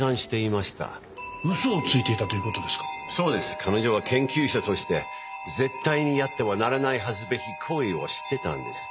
彼女は研究者として絶対にやってはならない恥ずべき行為をしてたんです。